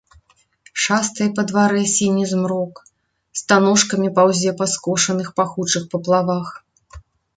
Шастае па дварэ сіні змрок, станожкамі паўзе па скошаных пахучых паплавах.